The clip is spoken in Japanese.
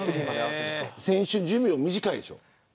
選手寿命も短いでしょ。